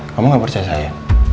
kamu gak percaya saya